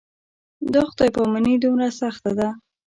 دا خدای پاماني دومره سخته ده.